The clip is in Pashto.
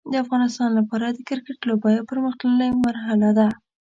د افغانستان لپاره د کرکټ لوبه یو پرمختللی مرحله ده.